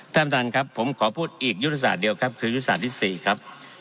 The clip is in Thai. ท่านประธานครับผมขอพูดอีกยุทธศาสตร์เดียวครับคือยุทธศาสตร์ที่๔ครับ